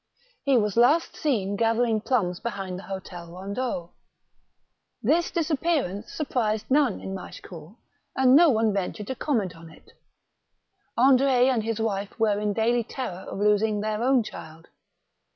He was last seen gathering plums behind the hotel Eondeau. This disappearance surprised none in Machecoul, and no one ventured to comment on it. Andr6 and his wife were in daily terror of losing their own child.